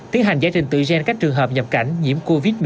tiến hành giải trình tự gen các trường hợp nhập cảnh nhiễm covid một mươi chín